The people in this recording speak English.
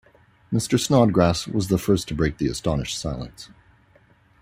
Mr. Snodgrass was the first to break the astonished silence.